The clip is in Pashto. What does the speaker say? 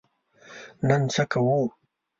نن څه کوو؟